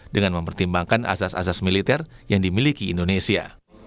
dengan mempertimbangkan asas asas militer yang dimiliki indonesia